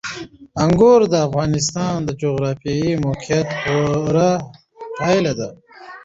انګور د افغانستان د جغرافیایي موقیعت پوره پایله ده.